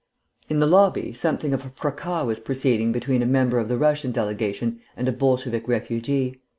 In the lobby something of a fracas was proceeding between a member of the Russian delegation and a Bolshevik refugee.